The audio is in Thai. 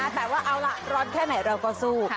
แต่ว่าเอาล่ะร้อนแค่ไหนเราก็สู้